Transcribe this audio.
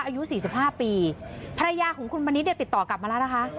อายุ๔๕ปีภรรยาของคุณมณิธรรม์ติดต่อกลับมาล่ะนะคะ